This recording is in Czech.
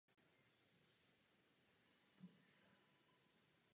Některé staví nové jaderné elektrárny a některé od nich ustupují.